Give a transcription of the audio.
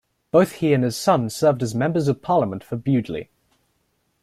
Both he and his son served as Members of Parliament for Bewdley.